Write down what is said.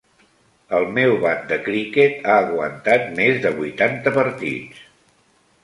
El meu bat de criquet ha aguantat més de vuitanta partits.